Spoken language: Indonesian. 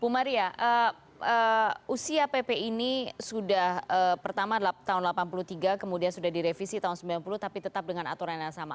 bu maria usia pp ini sudah pertama tahun seribu sembilan ratus delapan puluh tiga kemudian sudah direvisi tahun sembilan puluh tapi tetap dengan aturan yang sama